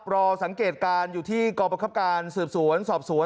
รอสังเกตการณ์อยู่ที่กรประคับการสืบสวนสอบสวน